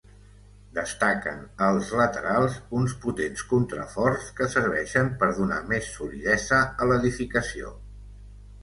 Destaquen als laterals, uns potents contraforts que serveixen per donar més solidesa a l'edificació.